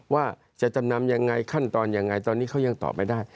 ว่าจะจำนำยังไงขั้นตอนยังไงตอนนี้เขายังตอบไม่ได้